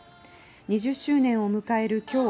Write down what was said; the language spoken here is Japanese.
２０周年を迎える今日